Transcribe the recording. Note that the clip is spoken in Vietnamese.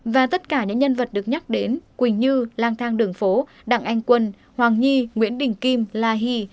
và tất cả những nhân vật được nhắc đến quỳnh như lang thang đường phố đặng anh quân hoàng nhi nguyễn đình kim la hì